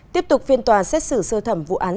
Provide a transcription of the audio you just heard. tiếp tục phiên tòa xét xử sơ thẩm vụ án